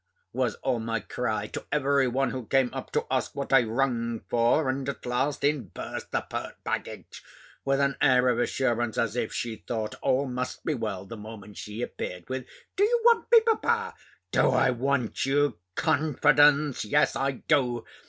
was all my cry, to every one who came up to ask what I rung for. And, at last, in burst the pert baggage, with an air of assurance, as if she thought all must be well the moment she appeared, with "Do you want me, papa?" "Do I want you, Confidence? Yes, I do.